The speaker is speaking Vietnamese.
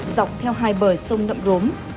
dọc theo hai bờ sông nậm rốm